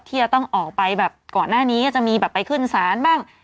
ที่จะต้องออกไปแบบก่อนหน้านี้ก็จะมีแบบไปขึ้นศาลบ้าง